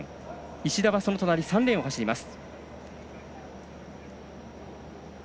石田は、その隣３レーンを走ります。